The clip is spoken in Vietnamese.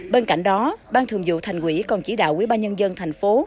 bên cạnh đó bang thường dụ thành quỷ còn chỉ đạo quý ba nhân dân thành phố